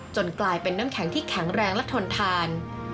กลายเป็นน้ำแข็งที่แข็งแรงและทนทาน